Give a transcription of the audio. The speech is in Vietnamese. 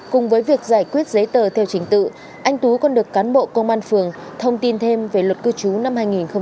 cùng với việc giải quyết giấy tờ theo trình tự anh tú còn được cán bộ công an phường thông tin thêm về luật cư trú năm hai nghìn một mươi ba